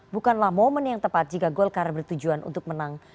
bukanlah momen yang tepat jika golkar bertujuan untuk menang